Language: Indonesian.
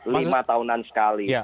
lima tahunan sekali